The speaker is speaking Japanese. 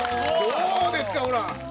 どうですかほら！